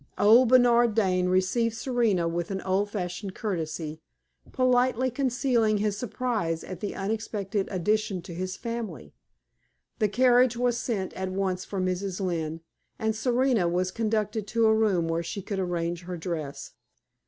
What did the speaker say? Old Bernard Dane received Serena with old fashioned courtesy, politely concealing his surprise at the unexpected addition to his family. The carriage was sent at once for Mrs. Lynne, and Serena was conducted to a room where she could arrange her dress.